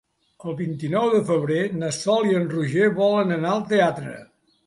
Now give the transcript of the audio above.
El vint-i-nou de febrer na Sol i en Roger volen anar al teatre.